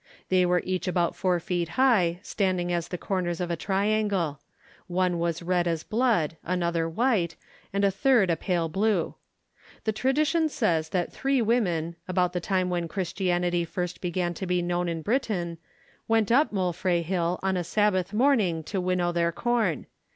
They were each about four feet high, standing as the corners of a triangle; one was red as blood, another white, and the third a pale blue. The tradition says that three women, about the time when Christianity first began to be known in Britain, went up Moelfre Hill on a Sabbath morning to winnow their corn.